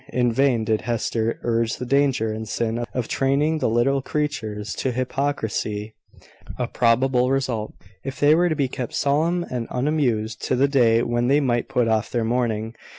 In vain did Hester urge the danger and sin of training the little creatures to hypocrisy a probable result, if they were to be kept solemn and unamused to the day when they might put off their mourning.